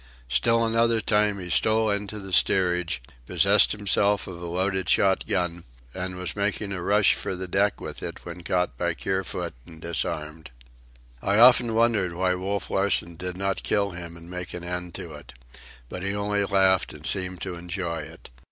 Still another time, he stole into the steerage, possessed himself of a loaded shot gun, and was making a rush for the deck with it when caught by Kerfoot and disarmed. I often wondered why Wolf Larsen did not kill him and make an end of it. But he only laughed and seemed to enjoy it.